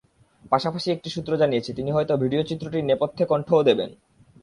পাশাপাশি একটি সূত্র জানিয়েছে, তিনি হয়তো ভিডিও চিত্রটির নেপথ্যে কণ্ঠও দেবেন।